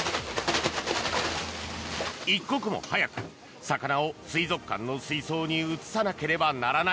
一刻も早く、魚を水族館の水槽に移さなければならない。